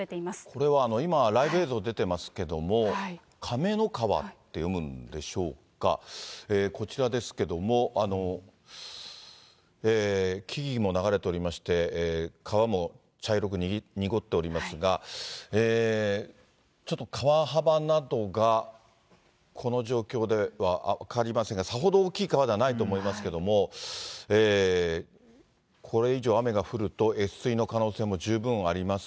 これは今、ライブ映像出てますけども、かめのかわって読むんでしょうか、こちらですけれども、木々も流れておりまして、川も茶色く濁っておりますが、ちょっと川幅などが、この状況では分かりませんが、さほど大きい川ではないと思いますけれども、これ以上、雨が降ると、越水の可能性も十分あります。